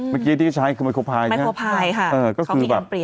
เมื่อกี้ที่ใช้คือไมโครไพรค่ะ